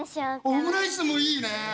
オムライスもいいね。